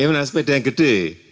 ini mana sepeda yang gede